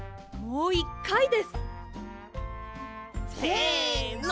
もう１かいです！せの！